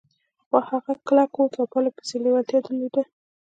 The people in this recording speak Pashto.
خو هغه کلک هوډ او پرله پسې لېوالتيا درلوده.